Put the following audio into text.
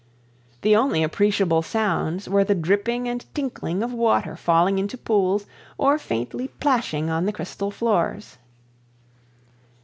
The only appreciable sounds were the dripping and tinkling of water failing into pools or faintly plashing on the crystal floors.